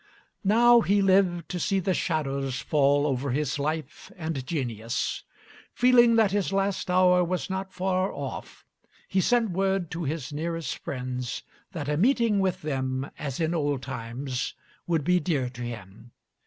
Now he lived to see the shadows fall over his life and genius. Feeling that his last hour was not far off, he sent word to his nearest friends that a meeting with them as in old times would be dear to him.